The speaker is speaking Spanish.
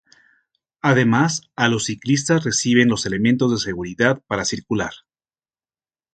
Además a los ciclistas reciben los elementos de seguridad para circular.